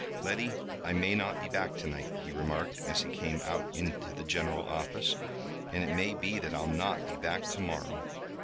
"Letty, I may not be back to night," he remarked, as he came out into the general office. "And it may be that I'll not be back to morrow."